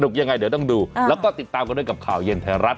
ยังไงเดี๋ยวต้องดูแล้วก็ติดตามกันด้วยกับข่าวเย็นไทยรัฐ